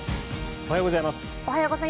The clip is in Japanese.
おはようございます。